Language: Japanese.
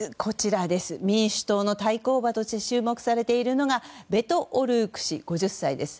民主党の対抗馬として注目されているのがベト・オルーク氏です。